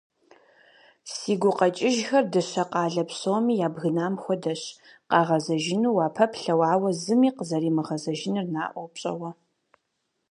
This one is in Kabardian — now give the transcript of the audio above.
Си гукъэкӏыжхэр дыщэ къалэ псоми ябгынам хуэдэщ, къагъэзэжыну уапэплъэу, ауэ зыми къызэримыгъэзэжынур наӏуэу пщӏэуэ.